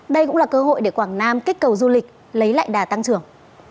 đây cũng là cơ hội để quảng nam kích cầu du lịch lấy lại đà tăng trưởng